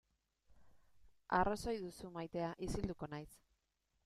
Arrazoi duzu maitea, isilduko naiz.